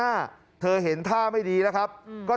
ทำไมคงคืนเขาว่าทำไมคงคืนเขาว่า